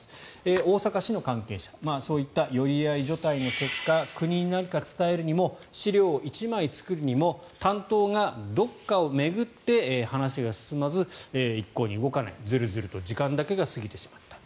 大阪市の関係者そういった寄り合い所帯の結果国に何か伝えるにも資料１枚作るにも担当がどこかを巡って話が進まず一向に動かないずるずると時間だけが過ぎてしまった。